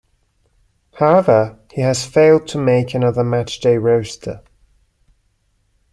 However, he has failed to make another matchday roster.